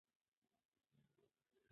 سروري ویلي وو چې ستونزې زیاتې شوې.